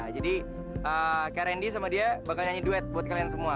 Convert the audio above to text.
jadi kak randi sama dia bakal nyanyi duet buat kalian semua